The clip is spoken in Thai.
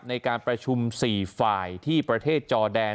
ในการประชุม๔ฝ่ายที่ประเทศจอแดน